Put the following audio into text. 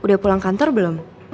udah pulang kantor belum